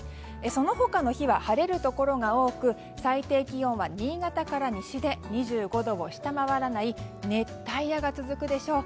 その他の日は晴れるところが多く最低気温は新潟から西で２５度を下回らない熱帯夜が続くでしょう。